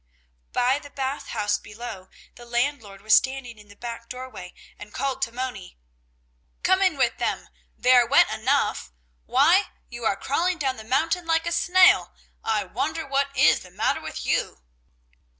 By the Bath House below the landlord was standing in the back doorway and called to Moni: "Come in with them. They are wet enough! Why, you are crawling down the mountain like a snail! I wonder what is the matter with you!"